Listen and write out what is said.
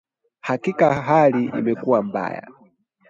Hakika hali imekuwa mbaya